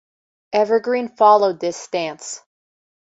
Evergreen followed this stance.